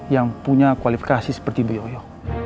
yang punya kualifikasi seperti bu yoyo